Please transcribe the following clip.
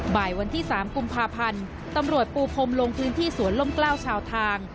บ่ายวันที่๓กุมภาพันธ์ตำรวจปูพรมลงพื้นที่สวนล่มกล้าวชาวทาง